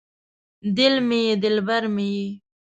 دل مې یې دلبر مې یې